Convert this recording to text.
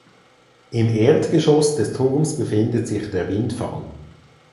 Im Erdgeschoss des Turms befindet sich der Windfang.